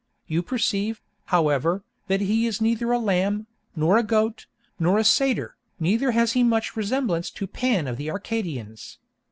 You perceive, however, that he is neither a lamb, nor a goat, nor a satyr, neither has he much resemblance to the Pan of the Arcadians.